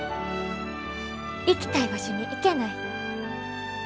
行きたい場所に行けない。